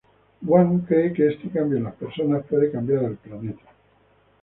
Wang cree que este cambio en las personas puede cambiar el planeta.